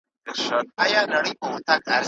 الله پاک زموږ هره اړتیا پوره کوي.